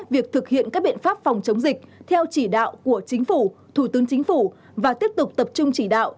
việc thực hiện các biện pháp phòng chống dịch theo chỉ đạo của chính phủ thủ tướng chính phủ và tiếp tục tập trung chỉ đạo